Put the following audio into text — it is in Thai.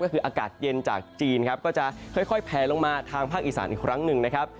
ก็คืออากาศเย็นจากจีนครับก็จะค่อยแผลลงมาทางภาคอีสานอีกครั้งหนึ่งนะครับ